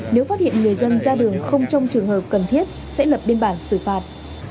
nếu phát hiện người dân ra đường không trong trường hợp cần thiết sẽ lập biên bản xử phạt